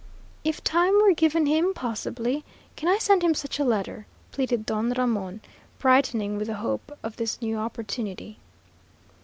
"If time were given him, possibly. Can I send him such a letter?" pleaded Don Ramon, brightening with the hope of this new opportunity.